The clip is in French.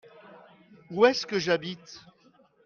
Où est-ce que j'habite ?